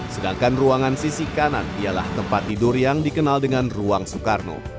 sedangkan ruangan sisi kanan ialah tempat tidur yang dikenal dengan ruang soekarno